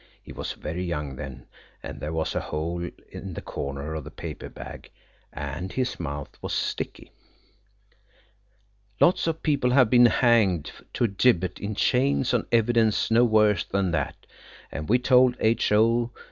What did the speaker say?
He was very young then, and there was a hole in the corner of the paper bag and his mouth was sticky. Lots of people have been hanged to a gibbet in chains on evidence no worse than that, and we told H.O.